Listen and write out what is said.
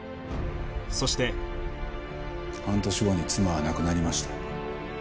そして半年後に妻は亡くなりました。